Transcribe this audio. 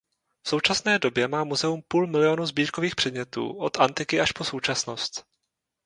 V současné době má muzeum půl milionu sbírkových předmětů od antiky až po současnost.